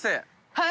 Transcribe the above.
はい！